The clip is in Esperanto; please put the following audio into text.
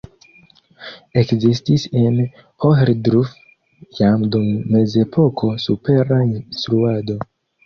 Ekzistis en Ohrdruf jam dum Mezepoko supera instruado.